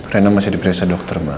rena masih di presa dokter ma